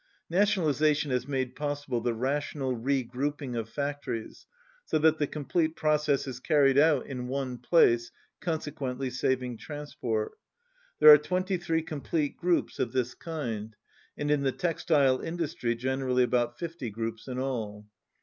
Na tionalization has made possible the rational re grouping of factories so that the complete process is carried out in one place, consequently saving transport. There are twenty three complete groups of this kind, and in the textile industry generally about fifty groups in all.